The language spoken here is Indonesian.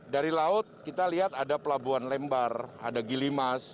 dari laut kita lihat ada pelabuhan lembar ada gilimas